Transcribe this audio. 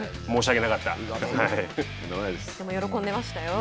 申し訳なかった。